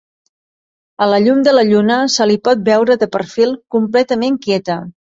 A la llum de la lluna, se li pot veure de perfil, completament quieta.